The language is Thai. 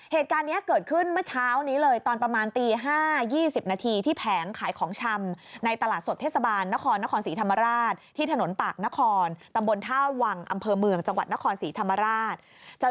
เหตุการณ์นี้เกิดขึ้นเมื่อเช้านี้เลยตอนประมาณตี๕๒๐นาทีที่แผงขายของชำในตลาดสดเทศบาลนครนครศรีธรรมราชที่ถนนปากนครตำบลท่าวังอำเภอเมืองจังหวัดนครศรีธรรมราช